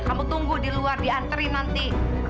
kamu tunggu di luar dianteri nanti